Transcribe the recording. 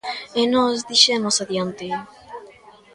E nós dixemos adiante!